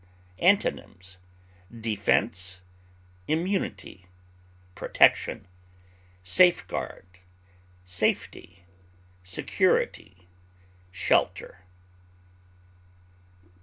Antonyms: defense, immunity, protection, safeguard, safety, security, shelter.